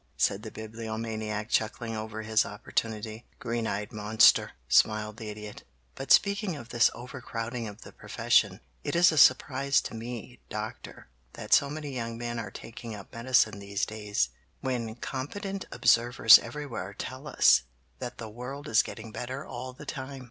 said the Bibliomaniac, chuckling over his opportunity. "Green eyed monster!" smiled the Idiot. "But speaking of this overcrowding of the profession, it is a surprise to me, Doctor, that so many young men are taking up medicine these days, when competent observers everywhere tell us that the world is getting better all the time.